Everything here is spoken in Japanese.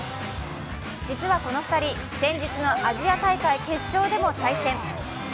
実はこの２人、先日のアジア大会決勝でも対戦。